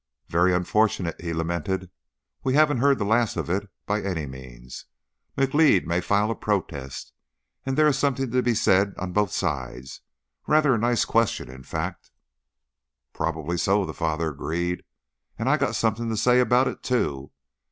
"Very unfortunate," he lamented. "We haven't heard the last of it, by any means. McLeod may file a protest. And there is something to be said on both sides; rather a nice question, in fact." "Prob'ly so," the father agreed. "An' I got something to say about it, too.